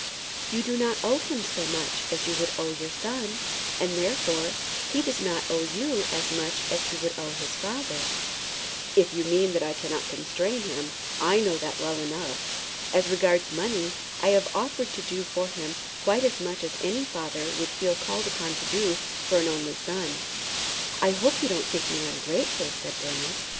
"You do not owe him so much as you would owe your son; and, therefore, he does not owe you as much as he would owe his father." "If you mean that I cannot constrain him, I know that well enough. As regards money, I have offered to do for him quite as much as any father would feel called upon to do for an only son." "I hope you don't think me ungrateful," said Bernard.